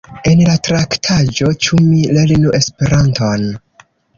En la traktaĵo Ĉu mi lernu Esperanton?